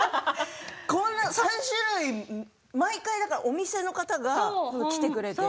３種類毎回お店の方が来てくれて。